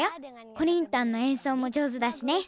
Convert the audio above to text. コリンタンのえんそうも上手だしね。